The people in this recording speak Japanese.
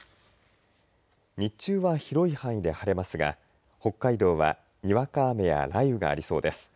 日中は広い範囲で晴れますが北海道はにわか雨や雷雨がありそうです。